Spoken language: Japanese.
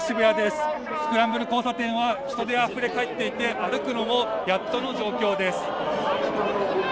スクランブル交差点は人であふれかえっていて歩くのもやっとの状況です。